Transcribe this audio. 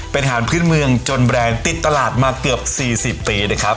เป็นอาหารพื้นเมืองจนแบรนด์ติดตลาดมาเกือบ๔๐ปีนะครับ